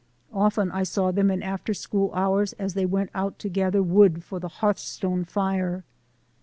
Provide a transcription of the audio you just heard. Often I saw them in after school hours as they went out to gather wood for the hearthstone fire.